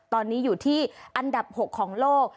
ตอนนี้อยู่ที่อันดับ๖ของโลก